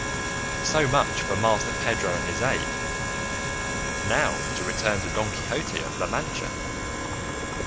So much for Master Pedro and his ape; and now to return to Don Quixote of La Mancha.